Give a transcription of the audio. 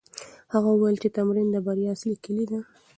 هغه وویل چې تمرين د بریا اصلي کیلي ده.